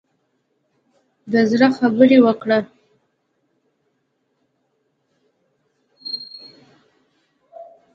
د زړه خبرې وکړه.